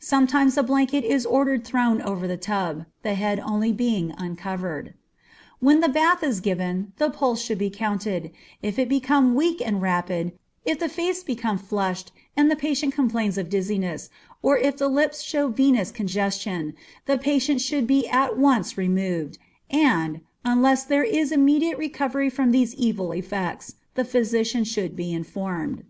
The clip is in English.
Sometimes a blanket is ordered thrown over the tub, the head only being uncovered. When the bath is being given, the pulse should be counted; if it become weak and rapid, if the face become flushed, and the patient complains of dizziness, or if the lips show venous congestion, the patient should be at once removed, and, unless there is immediate recovery from these evil effects, the physician should be informed.